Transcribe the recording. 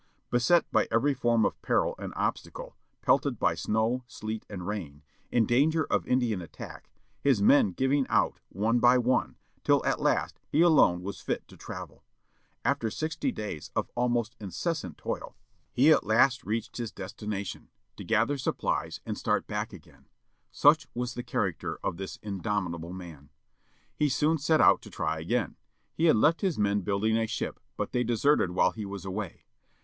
Beset by every form of peril and obstacle, pelted by snow, sleet, and rain, in danger of Indian attack, his men giving out one by one, till at last he^^t^r alone was fit to travel. After sixty days of almost incessant toil, he at>S7a'^ ^last reached his destina 17 COUREURS DE BOIS â TRADING WITH THE INDIANS i8 LA SALLE DESCENDING THE MISSISSIPPI, 1682 tion, to gather supplies and start back again. Such was the character of this indomitable man. He soon set out to try again. He had left his men building a ship, but they deserted while he was away.